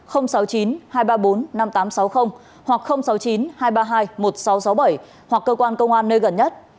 hoặc sáu mươi chín hai trăm ba mươi hai một nghìn sáu trăm sáu mươi bảy hoặc cơ quan công an nơi gần nhất